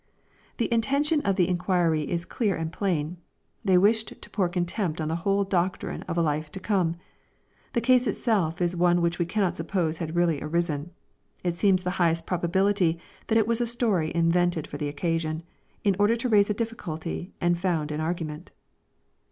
The intention of the inquiry is clear and plain. They wished to pour contempt on the whole doctrine of a life to come. The case itself is one which we cannot suppose had really arisen. It seems the highest probability that it was a story invented for the occasion, in order to raise a difficulty and found an ar gument.